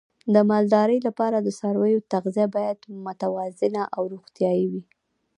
د مالدارۍ لپاره د څارویو تغذیه باید متوازنه او روغتیايي وي.